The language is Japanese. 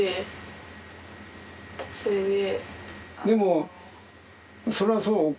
でもそれはそう。